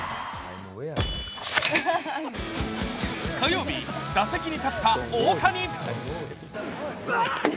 火曜日、打席に立った大谷。